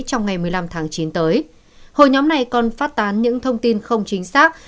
trong ngày một mươi năm tháng chín tới hội nhóm này còn phát tán những thông tin không chính xác